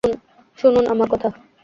শুনুন আমার কথা।